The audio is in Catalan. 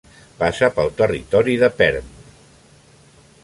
Passa pel territori de Perm.